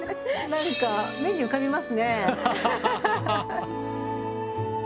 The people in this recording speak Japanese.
なんか目に浮かびますね。